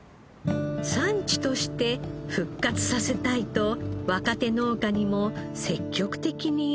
産地として復活させたいと若手農家にも積極的にノウハウを教えました。